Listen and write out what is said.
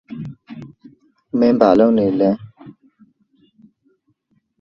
The last chairman of the association was Bert Blomqvist.